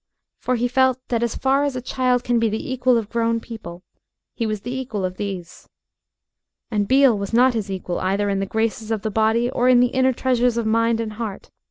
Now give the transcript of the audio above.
For he felt that, as far as a child can be the equal of grown people, he was the equal of these. And Beale was not his equal, either in the graces of the body or in the inner treasures of mind and heart.